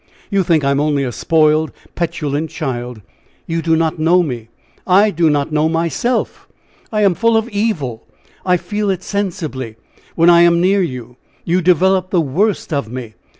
You think I'm only a spoiled, petulant child! You do not know me! I do not know myself! I am full of evil! I feel it sensibly, when I am near you! You develop the worst of me!